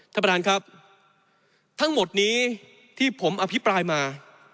ท่านประธานครับทั้งหมดนี้ที่ผมอภิปรายมา